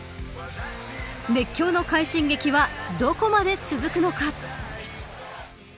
熱狂の快進撃はどこまで続くのか。